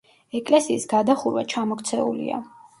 ეკლესიის გადახურვა ჩამოქცეულია.